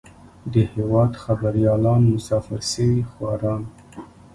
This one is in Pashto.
د هېواد خبريالان مسافر سوي خواران.